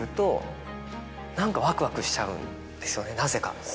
なぜか。